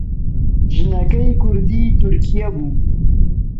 ژنەکەی کوردی تورکیە بوو